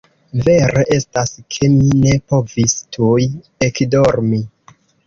Vere estas, ke mi ne povis tuj ekdormi.